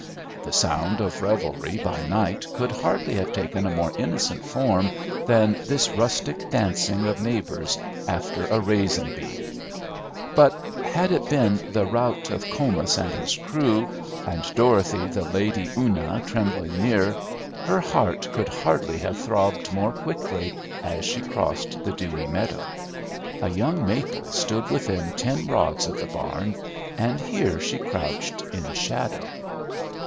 The sound of revelry by night could hardly have taken a more innocent form than this rustic dancing of neighbors after a "raisin' bee," but had it been the rout of Comus and his crew, and Dorothy the Lady Una trembling near, her heart could hardly have throbbed more quickly as she crossed the dewy meadow. A young maple stood within ten rods of the barn, and here she crouched in shadow.